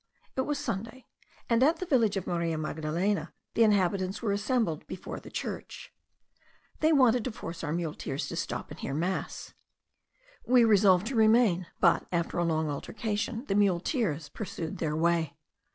It was Sunday, and at the village of Maria Magdalena the inhabitants were assembled before the church. They wanted to force our muleteers to stop and hear mass. We resolved to remain; but, after a long altercation, the muleteers pursued their way.